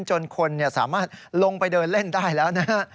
จนคนสามารถลงไปเดินเล่นได้แล้วนะฮะ